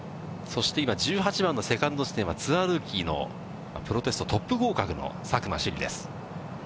そして今、１８番のセカンド位置でツアールーキーのプロテストトップ合格の佐久間朱莉です。